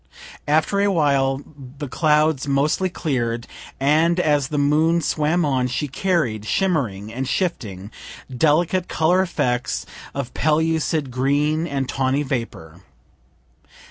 After a while the clouds mostly clear'd, and as the moon swam on, she carried, shimmering and shifting, delicate color effects of pellucid green and tawny vapor.